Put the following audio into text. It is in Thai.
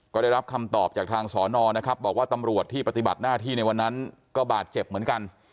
ก็ได้รับคำตอบจากทางสอนอนะครับบอกว่าตำรวจที่ปฏิบัติหน้าที่ในวันนั้นก็บาดเจ็บเหมือนกัน